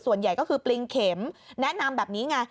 ส่วนใหญ่ก็คือปริงเข็มแนะนำแบบนี้ไง